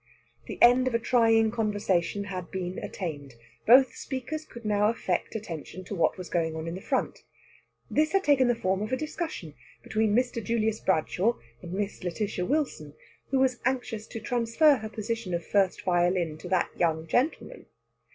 The end of a trying conversation had been attained. Both speakers could now affect attention to what was going on in the front. This had taken the form of a discussion between Mr. Julius Bradshaw and Miss Lætitia Wilson, who was anxious to transfer her position of first violin to that young gentleman.